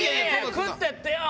食ってってよ！